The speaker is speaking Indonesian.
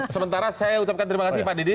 sementara saya ucapkan terima kasih pak didi